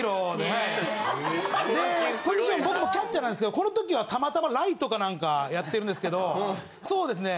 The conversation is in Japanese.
・ポジション僕もキャッチャーなんですけどこの時はたまたまライトか何かやってるんですけどそうですね